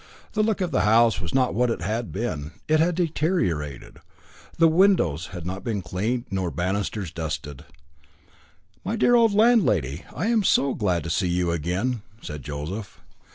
The look of the house was not what it had been. It had deteriorated. The windows had not been cleaned nor the banisters dusted. "My dear old landlady, I am so glad to see you again," said Joseph.